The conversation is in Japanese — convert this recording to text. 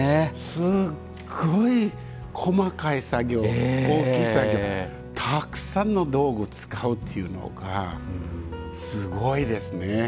すごい細かい作業大きい作業たくさんの道具を使うというのがすごいですね。